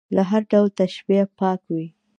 له هر ډول تشبیه پاک وي.